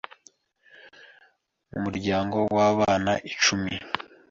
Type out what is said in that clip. mu muryango w’abana icumi,